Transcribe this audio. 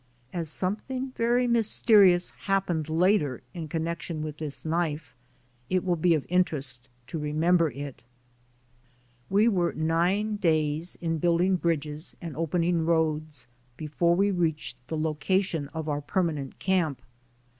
As something v^ery mysterious happened later in connection with this knife, it will be of interest to remember it. We were nine days in building bridges and open IN THE AMERICAN STORM 87 ing roads before we reached the location of our permanent camp.